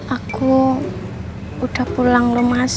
aku udah pulang loh mas